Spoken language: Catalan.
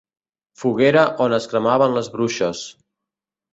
Foguera on es cremaven les bruixes.